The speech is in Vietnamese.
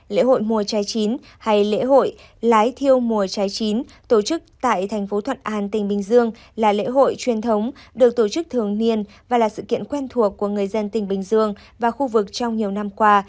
lễ hội mùa trái chín hay lễ hội lái thiêu mùa trái chín tổ chức tại thành phố thuận an tỉnh bình dương là lễ hội truyền thống được tổ chức thường niên và là sự kiện quen thuộc của người dân tỉnh bình dương và khu vực trong nhiều năm qua